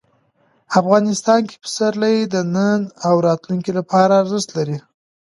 افغانستان کې پسرلی د نن او راتلونکي لپاره ارزښت لري.